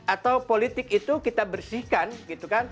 atau politik itu kita bersihkan gitu kan